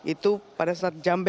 itu pada saat jam bebas